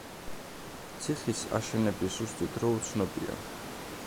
ციხის აშენების ზუსტი დრო უცნობია.